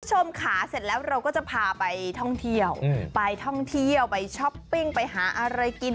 คุณผู้ชมค่ะเสร็จแล้วเราก็จะพาไปท่องเที่ยวไปท่องเที่ยวไปช้อปปิ้งไปหาอะไรกิน